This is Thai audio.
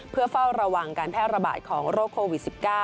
เพื่อเฝ้าระวังการแพร่ระบาดของโรคโควิด๑๙